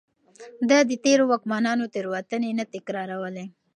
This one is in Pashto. ده د تېرو واکمنانو تېروتنې نه تکرارولې.